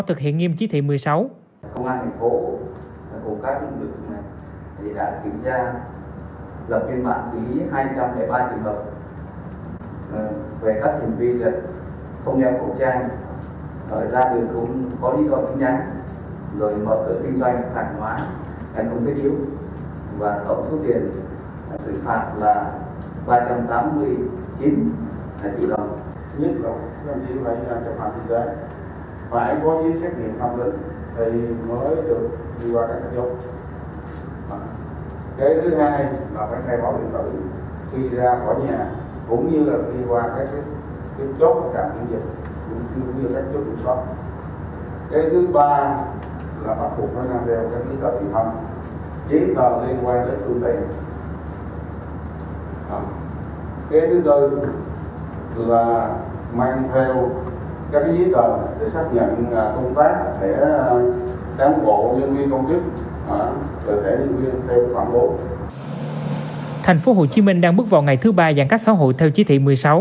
thành phố hồ chí minh đang bước vào ngày thứ ba giãn cách xã hội theo chí thị một mươi sáu